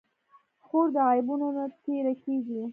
خور د عیبونو نه تېره کېږي.